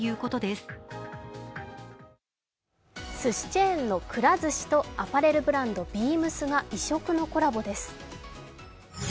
すしチェーンのくら寿司とアパレルブランド・ＢＥＡＭＳが異色のコラボです。